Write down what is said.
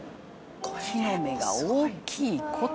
「木の芽が大きいこと！」